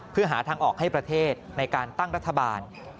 เพื่อหาทางออกให้ประเทศในการตั้งรัฐบาล